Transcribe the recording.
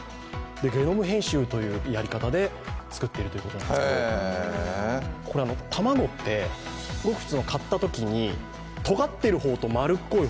ゲノム編集というやり方で作ってるということなんですけど卵ってごく普通、買ったときにとがった方と丸っこい方